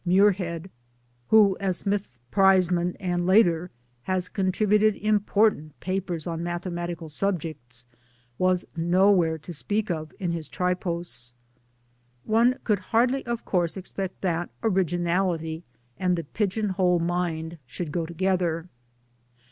Muirhead who, as Smith's Prizeman and later, has contributed im portant papers on mathematical subjects, was nowhere to speak of in his Tripos. One could hardly of course expect that originality and the pigeon hole mind should go together.